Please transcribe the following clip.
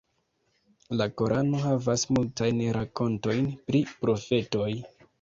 La Korano havas multajn rakontojn pri profetoj.